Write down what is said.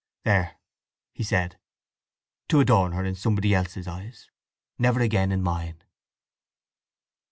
"There," he said. "To adorn her in somebody's eyes; never again in mine!"